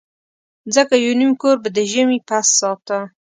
ځکه یو نیم کور به د ژمي پس ساته.